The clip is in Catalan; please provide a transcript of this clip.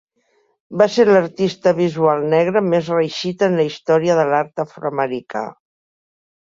Va ser l'artista visual negre més reeixit en la història de l'art afroamericà.